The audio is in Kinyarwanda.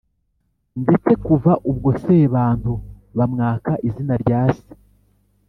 ndetse kuva ubwo sebantu bamwaka izina rya se